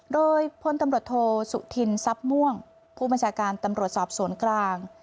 โดยพลตำรวจโทสุธินทรัพย์ม่วงผู้บัญชาการตำรวจสอบสวนกลาง